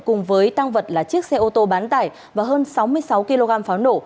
cùng với tăng vật là chiếc xe ô tô bán tải và hơn sáu mươi sáu kg pháo nổ